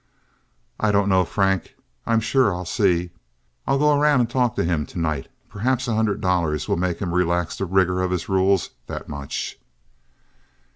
"I don't know, Frank, I'm sure; I'll see. I'll go around and talk to him to night. Perhaps a hundred dollars will make him relax the rigor of his rules that much."